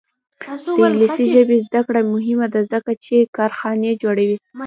د انګلیسي ژبې زده کړه مهمه ده ځکه چې کارخانې جوړوي.